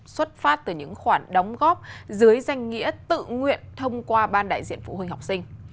xuất phát từ những khoản đóng góp dưới danh nghĩa tự nguyện thông qua ban đại diện phụ huynh học sinh